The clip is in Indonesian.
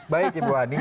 baik ya bu hadi